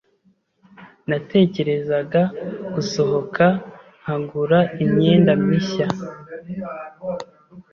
Natekerezaga gusohoka nkagura imyenda mishya.